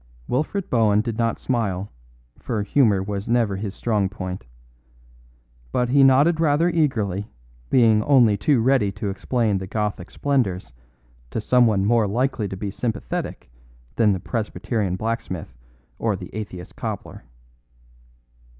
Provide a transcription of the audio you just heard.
Wilfred Bohun did not smile, for humour was never his strong point. But he nodded rather eagerly, being only too ready to explain the Gothic splendours to someone more likely to be sympathetic than the Presbyterian blacksmith or the atheist cobbler.